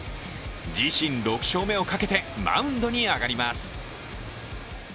自身６勝目をかけてマウンドに上がります。